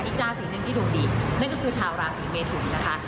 อีกราศีหนึ่งที่ดวงดีนั่นก็คือชาวราศีเมทุนนะคะ